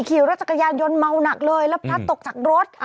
ขี่รถจักรยานยนต์เมาหนักเลยแล้วพลัดตกจากรถ